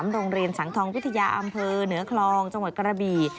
โรงเรียนสังทองวิทยาอำเภอเหนือคลองจังหวัดกระบี่